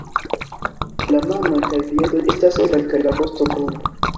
La manoj kaj piedoj estas nigraj kaj la vosto bruna.